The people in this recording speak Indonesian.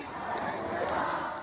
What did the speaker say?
pemerintah garut diangkat oleh bupati